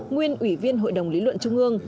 nguyên ủy viên hội đồng lý luận trung ương